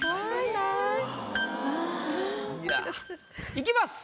いきます。